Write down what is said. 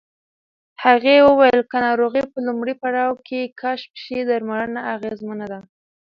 هغې وویل که ناروغي په لومړي پړاو کې کشف شي، درملنه اغېزمنه ده.